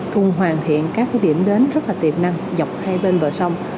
cùng hoàn thiện các điểm đến rất là tiềm năng dọc hai bên bờ sông